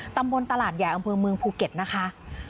ตำบลตลาดใหญ่อำเภอเมืองภูเก็ตนะคะ